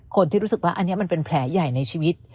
คนที่รู้สึกว่าอันนี้มันเป็นแผลใหญ่ในชีวิต